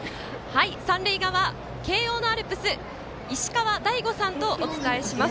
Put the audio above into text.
三塁側、慶応のアルプスいしかわだいごさんとお伝えします。